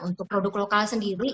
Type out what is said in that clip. untuk produk lokal sendiri